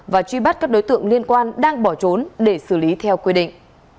và truy bắt các đối tượng liên quan đang bỏ trốn để xử lý theo quy định